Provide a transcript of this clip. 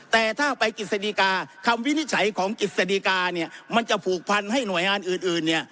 แต่ถ้าไปกฤษฎีกาคำวินิจฉัยของกิจสดีกาเนี่ยมันจะผูกพันให้หน่วยงานอื่นเนี่ย